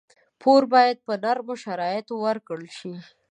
پور باید په نرمو شرایطو ورکړل شي.